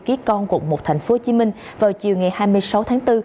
ký con của một thành phố hồ chí minh vào chiều ngày hai mươi sáu tháng bốn